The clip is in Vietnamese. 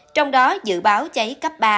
trong đó dự báo cháy cấp ba